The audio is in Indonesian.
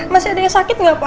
masih ada yang sakit nggak pak